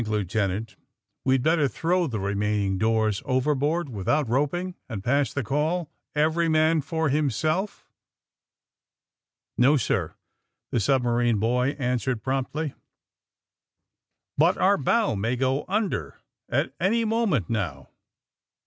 Lieutenant, we'd better throw the remaining doors overboard without roping and pass the call, 'Every man for himself T' "No, sir," the submarine boy answered promptly. 138 THE SUBMAEINE BOYS *^But our bow may go "imder at any moment "now."